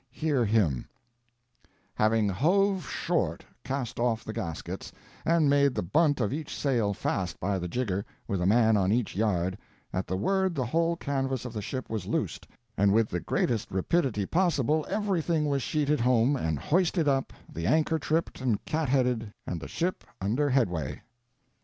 Hear him: Having hove short, cast off the gaskets, and made the bunt of each sail fast by the jigger, with a man on each yard, at the word the whole canvas of the ship was loosed, and with the greatest rapidity possible everything was sheeted home and hoisted up, the anchor tripped and cat headed, and the ship under headway.